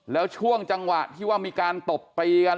แล้วช่วงจังหวะที่ว่ามีการตบตีกัน